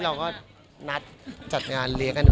คือเราก็นัดจัดงานเลี้ยงครับ